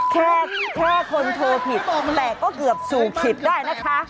แค่แค่คนโทรผิดแต่ก็เกือบสู่ผิดได้นะคะ